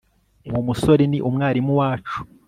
uwo musore ni umwarimu wacu